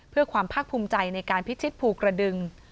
เพื่อความภาคภูมิใจในการพิชิตภูกระดึง